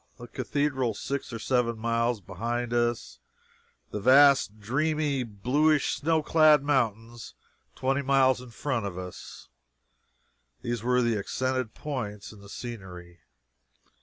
The Cathedral six or seven miles behind us; vast, dreamy, bluish, snow clad mountains twenty miles in front of us, these were the accented points in the scenery.